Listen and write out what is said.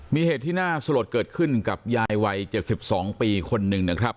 มีเหตุที่น่าสลดเกิดขึ้นกับยายวัย๗๒ปีคนหนึ่งนะครับ